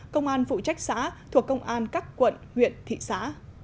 công an phụ trách xã thuộc công an các quận huyện thị xã